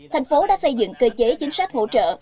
thành phố đã xây dựng cơ chế chính sách hỗ trợ